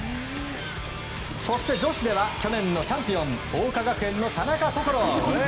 そして女子では去年のチャンピオン桜花学園の田中こころ。